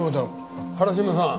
原島さん。